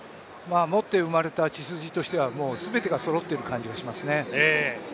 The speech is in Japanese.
持って生まれた血筋としては全てがそろっている感じがしますね。